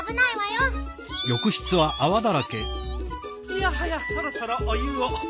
いやはやそろそろお湯を。